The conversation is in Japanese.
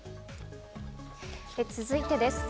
続いてです。